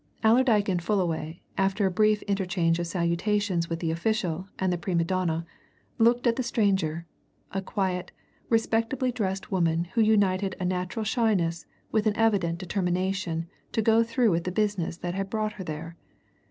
Allerdyke and Fullaway, after a brief interchange of salutations with the official and the prima donna, looked at the stranger a quiet, respectably dressed woman who united a natural shyness with an evident determination to go through with the business that had brought her there.